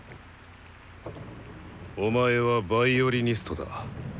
お前はヴァイオリニストだ。